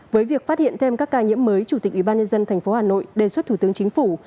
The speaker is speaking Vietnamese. với việc phát hiện thêm các ca nhiễm mới chủ tịch ubnd tp hà nội đề xuất thủ tướng chính phủ